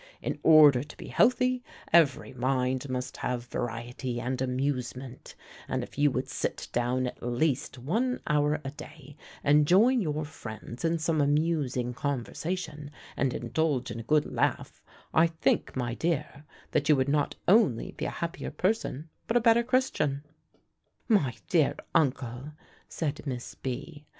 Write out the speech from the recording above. In order to be healthy, every mind must have variety and amusement; and if you would sit down at least one hour a day, and join your friends in some amusing conversation, and indulge in a good laugh, I think, my dear, that you would not only be a happier person, but a better Christian." "My dear uncle," said Miss B.